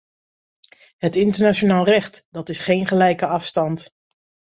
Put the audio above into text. Het internationaal recht - dat is geen gelijke afstand.